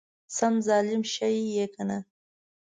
سم ظالم شې يې کنه!